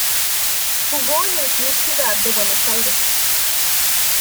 Jugó en el Club Ciudad de Buenos Aires.